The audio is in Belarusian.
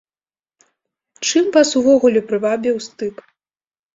Чым вас увогуле прывабіў стык?